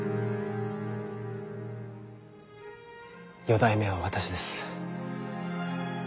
四代目は私です。